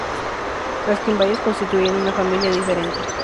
Los quimbayas constituían una familia diferente.